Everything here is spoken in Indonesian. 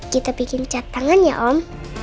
kita bikin cat tangan ya om